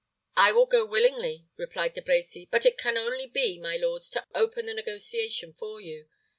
"I will go willingly," replied De Brecy; "but it can only be, my lords, to open the negotiation for you.